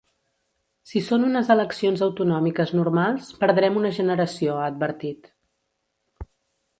Si són unes eleccions autonòmiques normals, perdrem una generació, ha advertit.